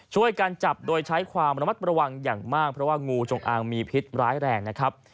ช่วยกันจับโดยใช้ความระมัดระวังอย่างมากเพราะว่างูจงอางมีพิษร้ายแรงนะครับ